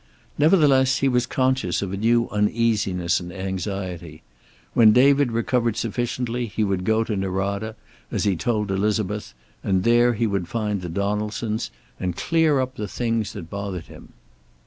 Nevertheless he was conscious of a new uneasiness and anxiety. When David recovered sufficiently he would go to Norada, as he had told Elizabeth, and there he would find the Donaldsons, and clear up the things that bothered him.